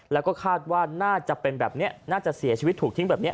แล้วก็คาดว่าน่าจะเป็นแบบนี้น่าจะเสียชีวิตถูกทิ้งแบบนี้